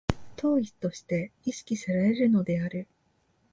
当為として意識せられるのである。